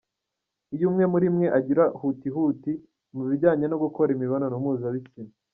Iyo umwe muri mwe agira huti huti mu bijyanye no gukora imibonano mpuzabitsina.